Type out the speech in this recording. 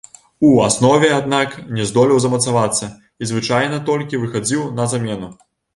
У аснове, аднак, не здолеў замацавацца і звычайна толькі выхадзіў на замену.